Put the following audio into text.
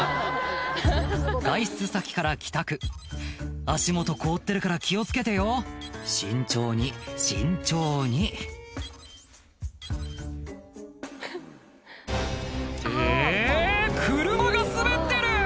外出先から帰宅足元凍ってるから気を付けてよ慎重に慎重にえぇ車が滑ってる！